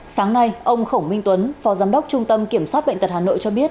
sáng nay ông khổng minh tuấn phó giám đốc trung tâm kiểm soát bệnh tật hà nội cho biết